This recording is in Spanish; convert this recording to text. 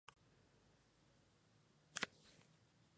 Las flores son unisexuales, dispuestas en racimos axilares.